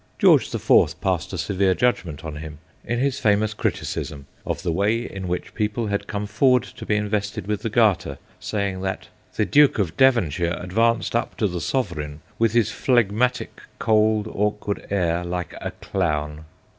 George the Fourth passed a severe judgment on him in his famous criticism of the way in which people had come forward to be invested with the Garter, saying that ' the Duke of Devon shire advanced up to the Sovereign with his phlegmatic, cold, awkward air, like a clown.'